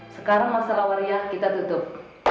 sekarang masa lawariah kita tutup